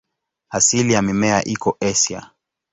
Asili ya mimea iko Asia.